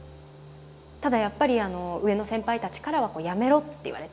ただやっぱり上の先輩たちからはこうやめろって言われたんですよね。